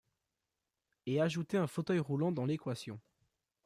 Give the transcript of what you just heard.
Et ajouter un fauteuil roulant dans l'équation.